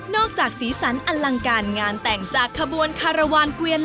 นอกจากสีสันอลังการงานแต่งจากคบวนคารวรรค์กวียนและ